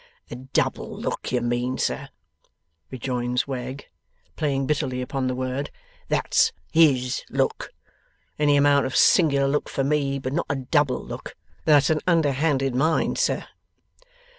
'A double look, you mean, sir,' rejoins Wegg, playing bitterly upon the word. 'That's HIS look. Any amount of singular look for me, but not a double look! That's an under handed mind, sir.